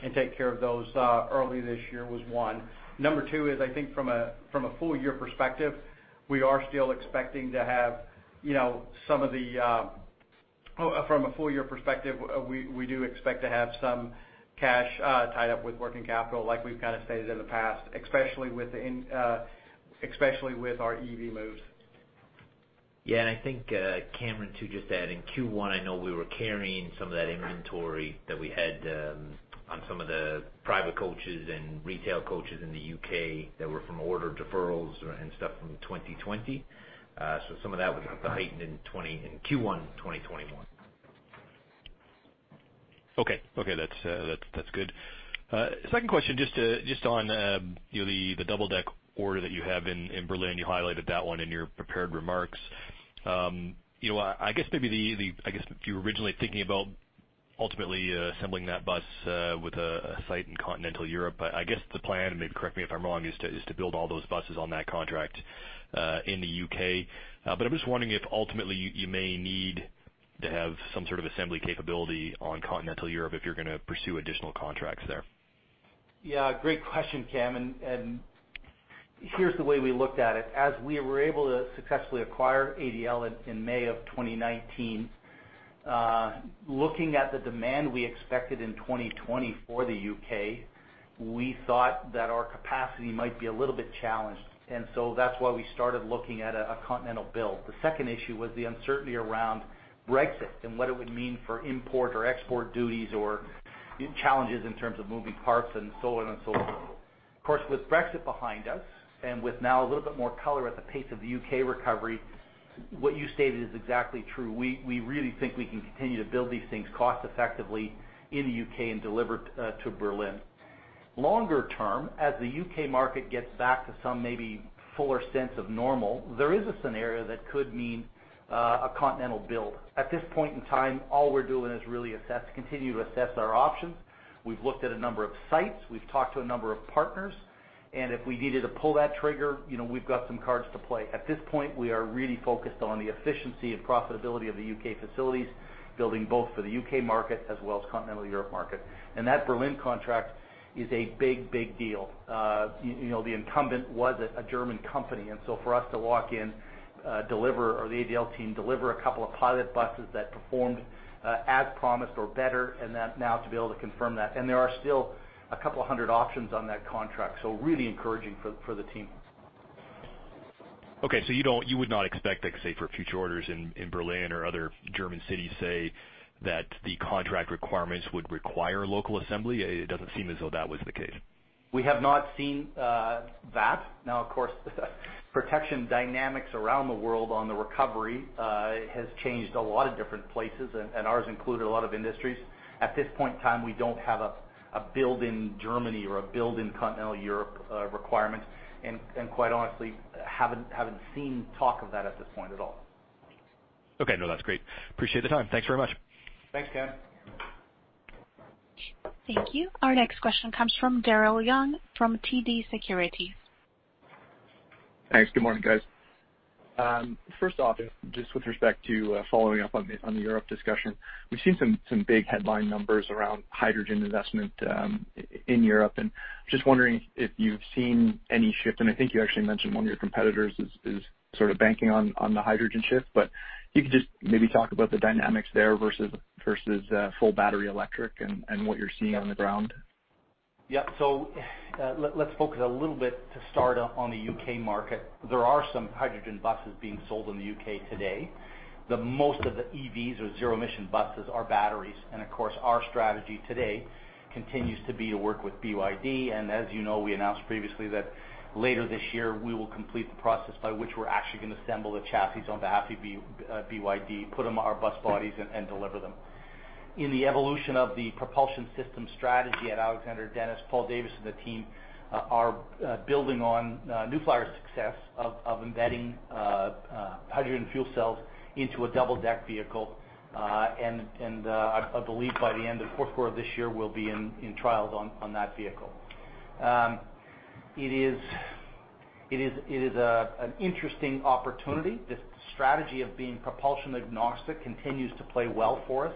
and take care of those early this year was one. Number two is, I think from a full year perspective, we do expect to have some cash tied up with working capital, like we've kind of stated in the past, especially with our EV moves. I think, Cameron, to just add, in Q1, I know we were carrying some of that inventory that we had on some of the private coaches and retail coaches in the U.K. that were from order deferrals and stuff from 2020. Some of that was heightened in Q1 2021. Okay. That's good. Second question, just on the double-deck order that you have in Berlin, you highlighted that one in your prepared remarks. I guess you were originally thinking about ultimately assembling that bus with a site in continental Europe. But I guess the plan, and maybe correct me if I'm wrong, is to build all those buses on that contract in the U.K. But I'm just wondering if ultimately you may need to have some sort of assembly capability on continental Europe if you're going to pursue additional contracts there. Yeah, great question, Cam. Here's the way we looked at it. As we were able to successfully acquire ADL in May of 2019, looking at the demand we expected in 2020 for the U.K., we thought that our capacity might be a little bit challenged. That's why we started looking at a continental build. The second issue was the uncertainty around Brexit and what it would mean for import or export duties or challenges in terms of moving parts and so on and so forth. Of course, with Brexit behind us and with now a little bit more color at the pace of the U.K. recovery, what you stated is exactly true. We really think we can continue to build these things cost effectively in the U.K. and deliver to Berlin. Longer term, as the U.K. market gets back to some maybe fuller sense of normal, there is a scenario that could mean a continental build. At this point in time, all we're doing is really continue to assess our options. We've looked at a number of sites, we've talked to a number of partners, and if we needed to pull that trigger, we've got some cards to play. At this point, we are really focused on the efficiency and profitability of the U.K. facilities, building both for the U.K. market as well as continental Europe market. That Berlin contract is a big deal. The incumbent was a German company, for us to walk in, or the ADL team deliver a couple of pilot buses that performed as promised or better, to be able to confirm that. There are still a couple of hundred options on that contract, so really encouraging for the team. Okay, you would not expect, say, for future orders in Berlin or other German cities, say, that the contract requirements would require local assembly? It doesn't seem as though that was the case. We have not seen that. Of course, protection dynamics around the world on the recovery has changed a lot of different places, and ours included, a lot of industries. At this point in time, we don't have a build in Germany or a build in continental Europe requirement, and quite honestly, haven't seen talk of that at this point at all. Okay, no, that's great. Appreciate the time. Thanks very much. Thanks, Cam. Thank you. Our next question comes from Daryl Young from TD Securities. Thanks. Good morning, guys. First off, just with respect to following up on the Europe discussion, we've seen some big headline numbers around hydrogen investment in Europe, and just wondering if you've seen any shift, and I think you actually mentioned one of your competitors is sort of banking on the hydrogen shift, but if you could just maybe talk about the dynamics there versus full battery electric and what you're seeing on the ground? Yeah. Let's focus a little bit to start on the U.K. market. There are some hydrogen buses being sold in the U.K. today. Most of the EVs or zero emission buses are batteries, and of course, our strategy today continues to be to work with BYD, and as you know, we announced previously that later this year, we will complete the process by which we're actually going to assemble the chassis on behalf of BYD, put them on our bus bodies, and deliver them. In the evolution of the propulsion system strategy at Alexander Dennis, Paul Davies, the team are building on New Flyer's success of embedding hydrogen fuel cells into a double-deck vehicle, and I believe by the end of the fourth quarter of this year, we'll be in trials on that vehicle. It is an interesting opportunity. This strategy of being propulsion agnostic continues to play well for us,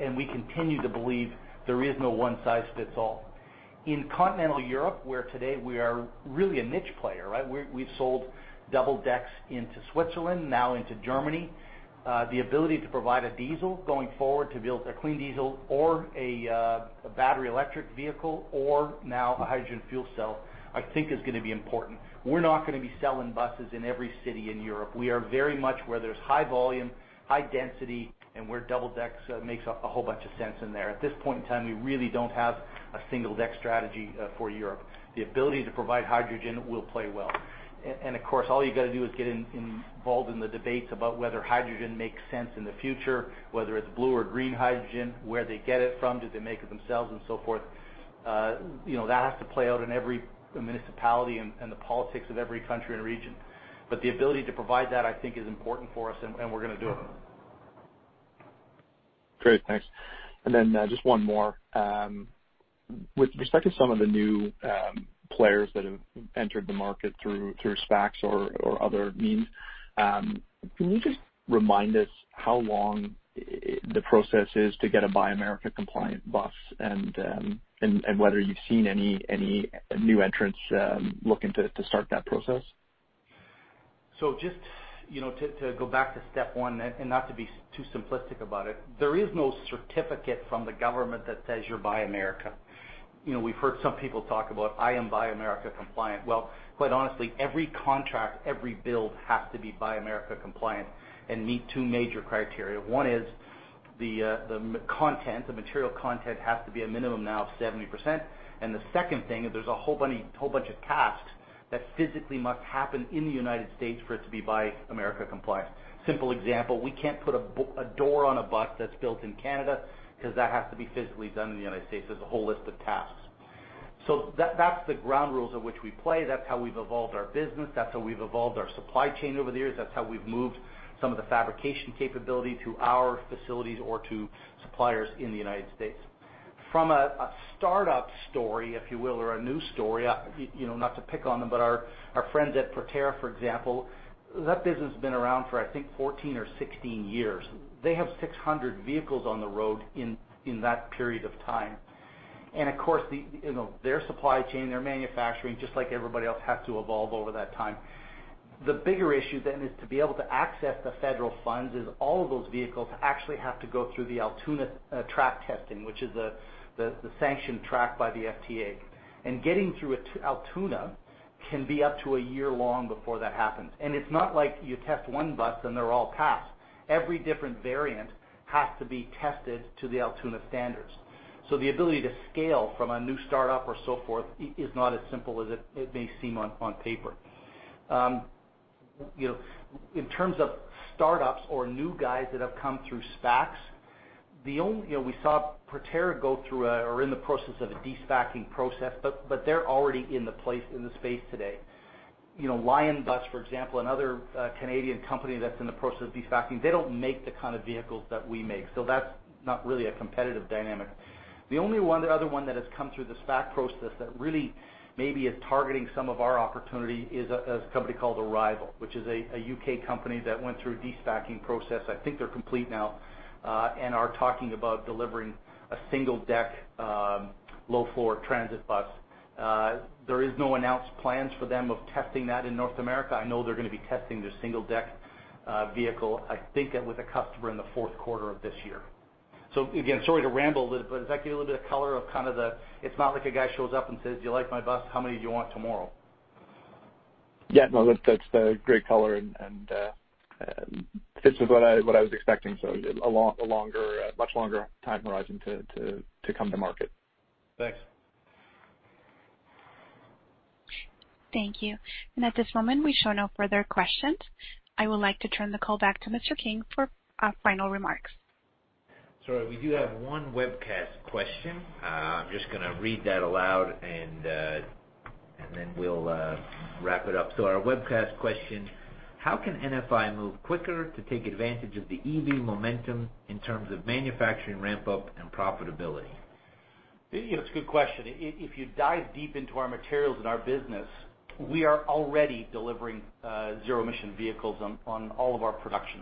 and we continue to believe there is no one size fits all. In continental Europe, where today we are really a niche player, we've sold double decks into Switzerland, now into Germany. The ability to provide a diesel going forward to build a clean diesel or a battery electric vehicle, or now a hydrogen fuel cell, I think is going to be important. We're not going to be selling buses in every city in Europe. We are very much where there's high volume, high density, and where double decks makes a whole bunch of sense in there. At this point in time, we really don't have a single deck strategy for Europe. The ability to provide hydrogen will play well. Of course, all you got to do is get involved in the debates about whether hydrogen makes sense in the future, whether it's blue or green hydrogen, where they get it from, do they make it themselves and so forth. That has to play out in every municipality and the politics of every country and region. The ability to provide that, I think is important for us, and we're going to do it. Great. Thanks. Then just one more. With respect to some of the new players that have entered the market through SPACs or other means, can you just remind us how long the process is to get a Buy America compliant bus, and whether you've seen any new entrants looking to start that process? Just to go back to step one and not to be too simplistic about it, there is no certificate from the government that says you're Buy America. We've heard some people talk about, "I am Buy America compliant." Quite honestly, every contract, every build has to be Buy America compliant and meet two major criteria. One is the material content has to be a minimum now of 70%, and the second thing is there's a whole bunch of tasks that physically must happen in the United States for it to be Buy America compliant. Simple example, we can't put a door on a bus that's built in Canada because that has to be physically done in the United States. There's a whole list of tasks. That's the ground rules of which we play. That's how we've evolved our business. That's how we've evolved our supply chain over the years. That's how we've moved some of the fabrication capability to our facilities or to suppliers in the United States. From a startup story, if you will, or a new story, not to pick on them, but our friends at Proterra, for example, that business has been around for, I think, 14 or 16 years. They have 600 vehicles on the road in that period of time. Of course, their supply chain, their manufacturing, just like everybody else, had to evolve over that time. The bigger issue then is to be able to access the federal funds is all of those vehicles actually have to go through the Altoona track testing, which is the sanctioned track by the FTA. Getting through Altoona can be up to a year long before that happens. It's not like you test one bus and they're all passed. Every different variant has to be tested to the Altoona standards. The ability to scale from a new startup or so forth is not as simple as it may seem on paper. In terms of startups or new guys that have come through SPACs, we saw Proterra go through or are in the process of a de-SPAC-ing process, but they're already in the space today. Lion Electric, for example, another Canadian company that's in the process of de-SPAC-ing, they don't make the kind of vehicles that we make, so that's not really a competitive dynamic. The only other one that has come through the SPAC process that really maybe is targeting some of our opportunity is a company called Arrival, which is a U.K. company that went through a de-SPAC-ing process. I think they're complete now and are talking about delivering a single-deck, low-floor transit bus. There is no announced plans for them of testing that in North America. I know they're going to be testing their single-deck vehicle, I think with a customer in the fourth quarter of this year. Again, sorry to ramble, but it's actually a little bit of color of the, it's not like a guy shows up and says, "Do you like my bus? How many do you want tomorrow? Yeah, no, that's great color and fits with what I was expecting. A much longer time horizon to come to market. Thanks. Thank you. At this moment, we show no further questions. I would like to turn the call back to Mr. King for final remarks. Sorry, we do have one webcast question. I'm just going to read that aloud and then we'll wrap it up. Our webcast question: How can NFI move quicker to take advantage of the EV momentum in terms of manufacturing ramp-up and profitability? It's a good question. If you dive deep into our materials and our business, we are already delivering zero emission vehicles on all of our production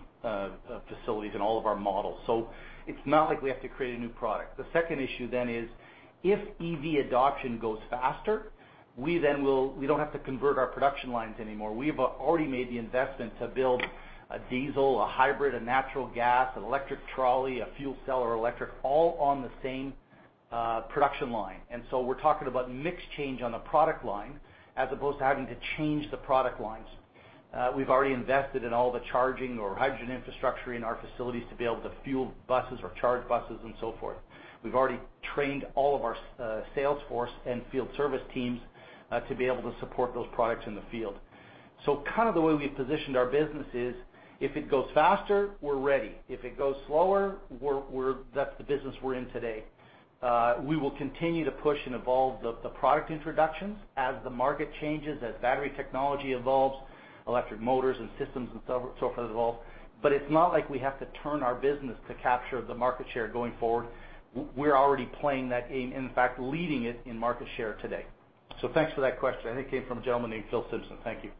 facilities and all of our models. It's not like we have to create a new product. The second issue then is if EV adoption goes faster, we don't have to convert our production lines anymore. We've already made the investment to build a diesel, a hybrid, a natural gas, an electric trolley, a fuel cell, or electric, all on the same production line. We're talking about mix change on the product line as opposed to having to change the product lines. We've already invested in all the charging or hydrogen infrastructure in our facilities to be able to fuel buses or charge buses and so forth. We've already trained all of our sales force and field service teams to be able to support those products in the field. The way we've positioned our business is if it goes faster, we're ready. If it goes slower, that's the business we're in today. We will continue to push and evolve the product introductions as the market changes, as battery technology evolves, electric motors and systems, and so forth evolve. It's not like we have to turn our business to capture the market share going forward. We're already playing that game. In fact, leading it in market share today. Thanks for that question. I think it came from a gentleman named Phil Simpson. Thank you.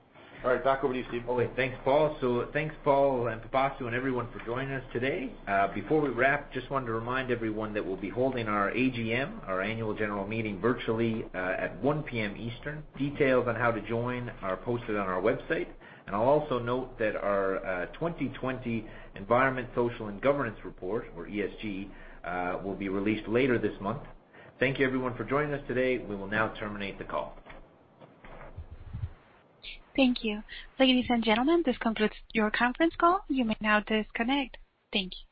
All right. Back over to you, Steve. Okay. Thanks, Paul. Thanks, Paul and Pipasu and everyone for joining us today. Before we wrap, just wanted to remind everyone that we'll be holding our AGM, our annual general meeting, virtually at 1:00 P.M. Eastern. Details on how to join are posted on our website. I'll also note that our 2020 Environment, Social, and Governance report, or ESG, will be released later this month. Thank you, everyone, for joining us today. We will now terminate the call. Thank you. Ladies and gentlemen, this concludes your conference call. You may now disconnect. Thank you.